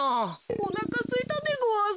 おなかすいたでごわす。